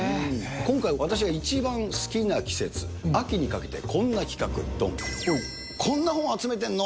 今回、私が一番好きな季節、秋にかけてこんな企画、どん。こんな本、集めてるの？